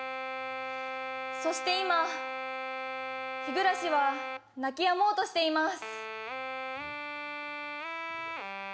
そして今、ヒグラシは鳴きやもうとしています。